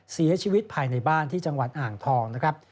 เสียชีวิตภายในบ้านที่จังหวัดอ่างทองนะครับ